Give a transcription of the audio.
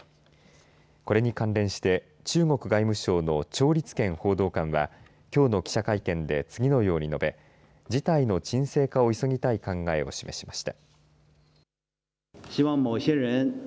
これに関連して中国外務省の趙立堅報道官はきょうの記者会見で次のように述べ事態の沈静化を急ぎたい考えを示しました。